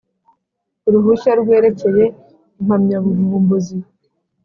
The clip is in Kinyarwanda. Uruhushya rwerekeye impamyabuvumbuzi